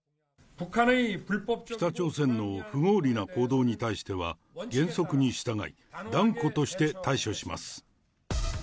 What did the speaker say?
北朝鮮の不合理な行動に対しては、原則に従い、断固として対処します。